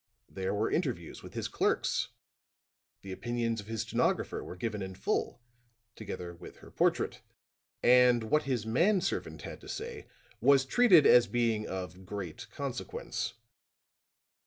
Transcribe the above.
There were interviews with his clerks; the opinions of his stenographer were given in full, together with her portrait; and what his man servant had to say was treated as being of great consequence.